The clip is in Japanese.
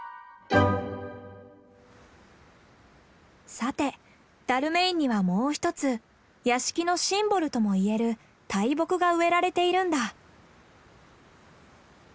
さてダルメインにはもう１つ屋敷のシンボルとも言える大木が植えられているんだ。